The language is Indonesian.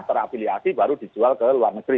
terafiliasi baru dijual ke luar negeri